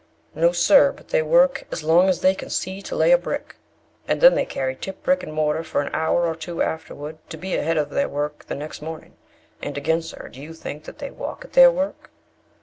No, sir, but they work as long as they can see to lay a brick, and then they carry tip brick and mortar for an hour or two afterward, to be ahead of their work the next morning. And again, sir, do you think that they walk at their work?